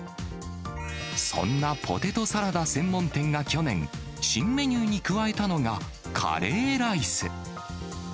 そんなポテトサラダ専門店が去年、新メニューに加えたのがカレーライス。